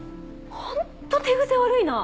ホント手癖悪いな！